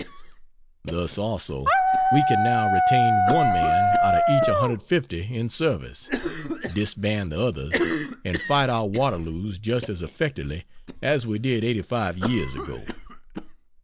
Thus, also, we can now retain one man out of each 150 in service, disband the others, and fight our Waterloos just as effectively as we did eighty five years ago.